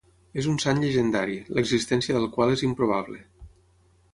És un sant llegendari, l'existència del qual és improbable.